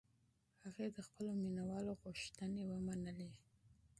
هغې د خپلو مینهوالو غوښتنې ومنلې.